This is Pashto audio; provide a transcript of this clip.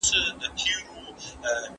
د ږدن په پټي کي له ډاره اتڼ ړنګ سو.